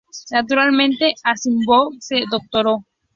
Naturalmente, Asimov se doctoró.